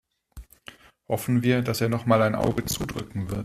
Hoffen wir, dass er nochmal ein Auge zudrücken wird.